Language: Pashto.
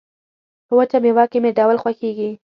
په وچه مېوه کې مې ډول خوښيږي